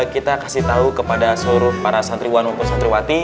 kita kasih tau kepada seorang para santriwan mumpir santriwati